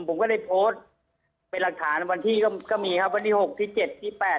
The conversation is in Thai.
ผมก็ได้โพสต์เป็นรักษานะครับวันที่ก็มีครับวันที่หกที่เจ็ดที่แปด